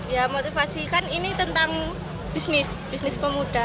ya motivasi kan ini tentang bisnis bisnis pemuda